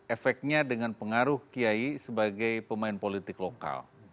efeknya dengan pengaruh kiai sebagai pemain politik lokal